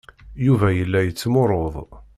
Yuba yella yettmurud.